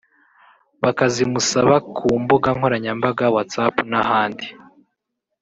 bakazimusaba ku mbuga nkoranyambaga whatsapp n’ahandi